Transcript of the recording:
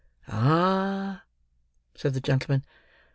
"Ah!" said the gentleman.